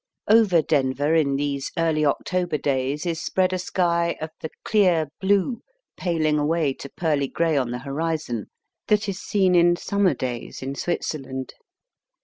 Over Denver in these early October days is spread a sky of the clear blue, paling away to pearly grey on the horizon, that is seen in summer days in Switzerland.